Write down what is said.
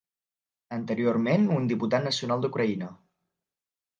Anteriorment un diputat nacional d'Ucraïna.